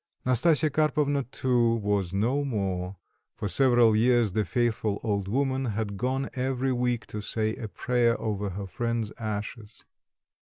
Nastasya Karpovna too was no more; for several years the faithful old woman had gone every week to say a prayer over her friend's ashes.....